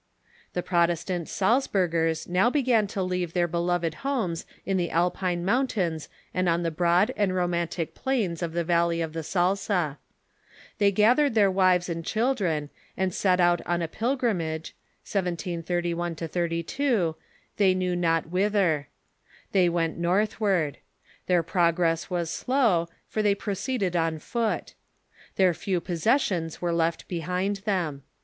The Protestant Salzburgers now began to leave their be loved homes in the Alpine mountains and on the broad and romantic plains of the vallev of the Salza. They The Exiles , i ,••,^■^, t gathered their wives and children, and set out on a pilgrimage (1731 32) they knew not whither. They went northward. Their progress was slow, for they proceeded on foot. Their few possessions were left behind them.